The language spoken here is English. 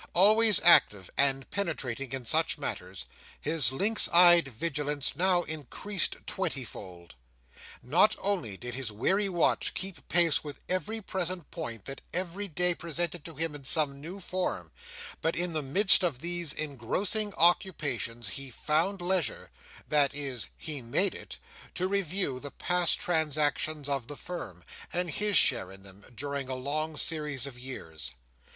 Always active and penetrating in such matters, his lynx eyed vigilance now increased twenty fold. Not only did his weary watch keep pace with every present point that every day presented to him in some new form, but in the midst of these engrossing occupations he found leisure—that is, he made it—to review the past transactions of the Firm, and his share in them, during a long series of years.